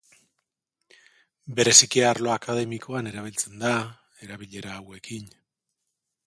Bereziki arlo akademikoan erabiltzen da, erabilera hauekin.